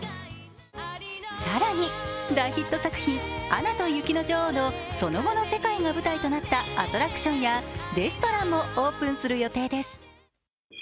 更に、大ヒット作品「アナと雪の女王」のその後の世界が舞台となったアトラクションやレストランもオープンする予定です。